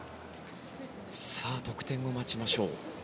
得点を待ちましょう。